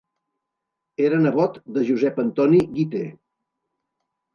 Era nebot de Josep Antoni Guiter.